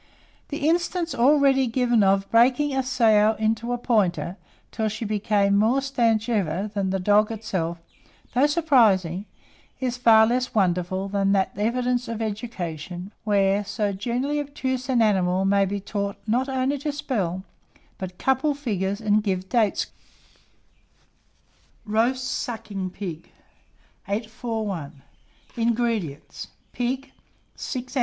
The instance already given of breaking a sow into a pointer, till she became more stanch even than the dog itself, though surprising, is far less wonderful than that evidence of education where so generally obtuse an animal may be taught not only to spell, but couple figures and give dates correctly. ROAST SUCKING PIG. 841. INGREDIENTS. Pig, 6 oz.